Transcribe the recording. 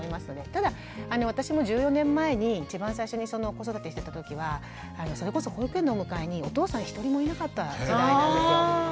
ただ私も１４年前に一番最初に子育てしてた時はそれこそ保育園のお迎えにお父さん一人もいなかった時代なんですよ。